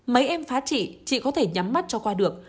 mấy em phá trị chị có thể nhắm mắt cho qua được